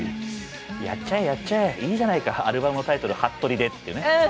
やっちゃえやっちゃえいいじゃないかアルバムのタイトル「服部」でってね。